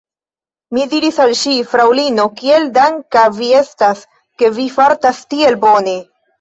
Mi diris al ŝi: «Fraŭlino, kiel danka mi estas, ke vi fartas tiel bone!»